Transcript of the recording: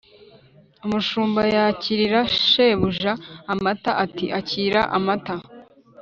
umushumba yakirira shebuja amata ati: “akira amata”,